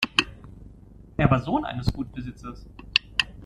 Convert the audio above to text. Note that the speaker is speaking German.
Er war Sohn eines Gutsbesitzers.